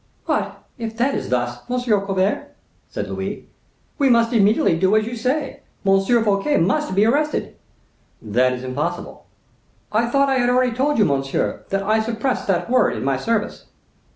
"But, if it be thus, M. Colbert," said Louis, "we must immediately do as you say; M. Fouquet must be arrested." "That is impossible." "I thought I had already told you, monsieur, that I suppressed that word in my service."